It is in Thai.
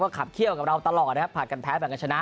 ขับเขี้ยวกับเราตลอดนะครับผลัดกันแพ้แบ่งกันชนะ